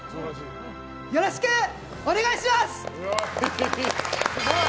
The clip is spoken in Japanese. よろしくお願いします！